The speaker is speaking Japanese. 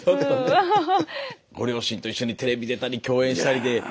ご両親と一緒にテレビ出たり共演したりで。